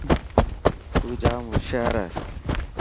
تون ڄام هوشيار هي.